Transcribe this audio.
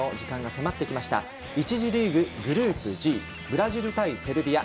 １次リーグのグループＧ、ブラジル対セルビア。